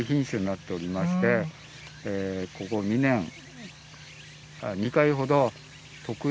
ここ２年２回ほど。